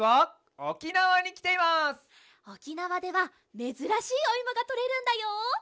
おきなわではめずらしいおいもがとれるんだよ！